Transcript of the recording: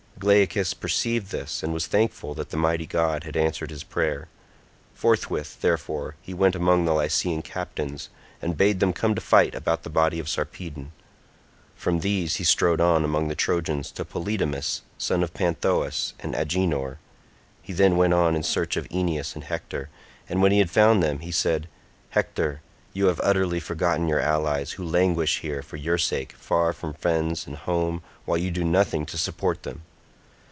Glaucus perceived this, and was thankful that the mighty god had answered his prayer; forthwith, therefore, he went among the Lycian captains, and bade them come to fight about the body of Sarpedon. From these he strode on among the Trojans to Polydamas son of Panthous and Agenor; he then went in search of Aeneas and Hector, and when he had found them he said, "Hector, you have utterly forgotten your allies, who languish here for your sake far from friends and home while you do nothing to support them.